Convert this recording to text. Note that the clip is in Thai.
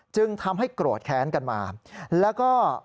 จึงทำให้โกรธแค้นกันมาแล้วก็